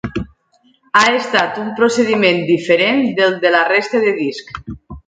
Ha estat un procediment diferent del de la resta de disc.